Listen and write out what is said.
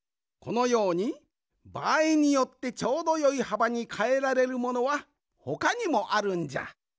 このようにばあいによってちょうどよいはばにかえられるものはほかにもあるんじゃ。